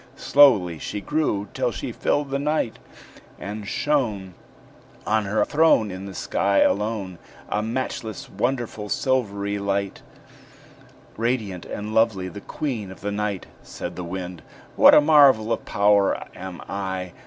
Slowly she grew till she filled the night, And shone On her throne In the sky alone, A matchless, wonderful silvery light, Radiant and lovely, the queen of the night. Said the Wind: "What a marvel of power am I!